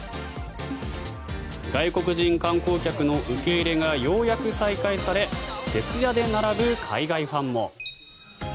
外国人観光客の受け入れがようやく再開され徹夜で並ぶ海外ファンも。